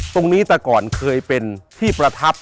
ตรงนี้แต่ก่อนเคยเป็นที่ประทับ